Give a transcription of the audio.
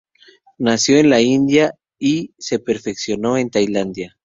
Nació en la India y se perfeccionó en Tailandia.